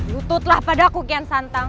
lututlah padaku kian santang